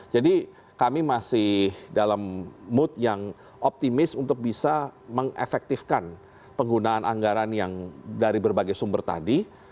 jadi kami masih dalam mood yang optimis untuk bisa mengefektifkan penggunaan anggaran yang dari berbagai sumber tadi